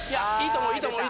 いいと思う。